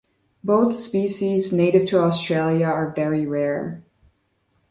Both species, native to Australia, are very rare.